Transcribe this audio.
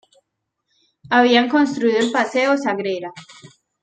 Habían construido el Paseo Sagrera.